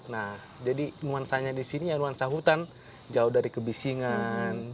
nah jadi nuansanya di sini ya nuansa hutan jauh dari kebisingan